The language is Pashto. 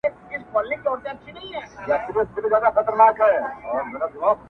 دا چي تللي زموږ له ښاره تر اسمانه-